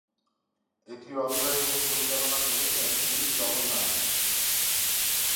এটি রচনা এবং পরিচালনা করেছেন পুরি জাগান্নাধ।